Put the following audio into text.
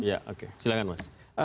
ya oke silahkan mas